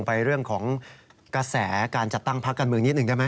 ไปเรื่องของกระแสการจัดตั้งพักการเมืองนิดหนึ่งได้ไหม